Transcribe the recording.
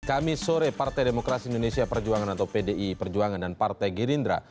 kami sore partai demokrasi indonesia perjuangan atau pdi perjuangan dan partai gerindra